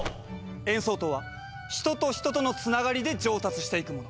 演奏とは人と人とのつながりで上達していくもの。